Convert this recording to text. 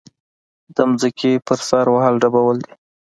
د ځمکې پر سر وهل ډبول دي.